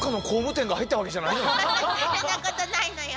そんなことないのよ。